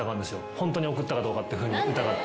ホントに送ったかどうかってふうに疑って。